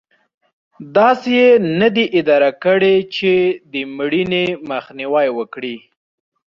داسې یې نه دي اداره کړې چې د مړینې مخنیوی وکړي.